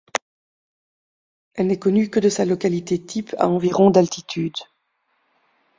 Elle n'est connue que de sa localité type à environ d'altitude.